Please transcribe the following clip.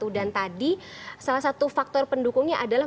dan tadi salah satu faktor pendukungnya adalah